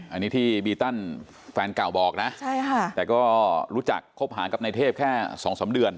อันนี้ที่บีตันแฟนเก่าบอกนะแต่ก็รู้จักคบหารกับนายเทพแค่๒๓เดือน